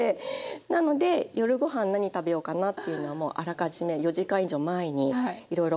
なので夜ご飯何食べようかなっていうのはもうあらかじめ４時間以上前にいろいろ考えるのが楽しくて。